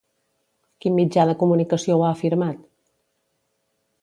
Quin mitjà de comunicació ho ha afirmat?